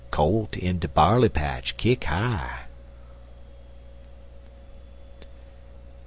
Colt in de barley patch kick high.